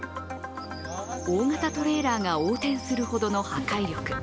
大型トレーラーが横転するほどの破壊力。